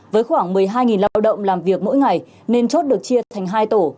với khoảng một mươi hai lao động làm việc mỗi ngày nên chốt được chia thành hai tổ